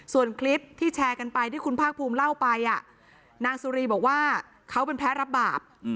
ส่วนคลิปที่แชร์กันไปที่คุณภาคภูมิเล่าไปนางสุรีบอกว่าเขาเป็นแพ้รับบาป